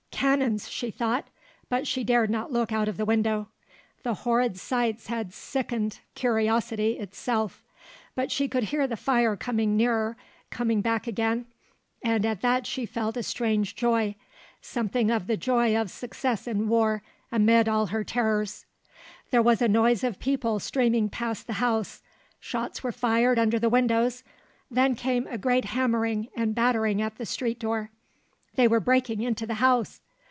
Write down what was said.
"Cannons," she thought, but she dared not look out of the window; the horrid sights had sickened curiosity itself. But she could hear the fire coming nearer, coming back again; and at that she felt a strange joy; something of the joy of success in war, amid all her terrors. There was a noise of people streaming past the house; shots were fired under the windows; then came a great hammering and battering at the street door. They were breaking into the house!